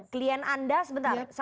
klien anda sebenarnya sebenarnya